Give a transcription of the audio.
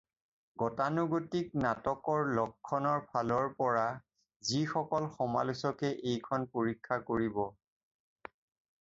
গতানুগতিক নাটকৰ লক্ষণৰ ফালৰ পৰা যিসকল সমালোচকে এইখন পৰীক্ষা কৰিব